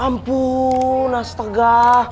ya ampun astaga